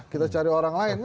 kita cari orang lain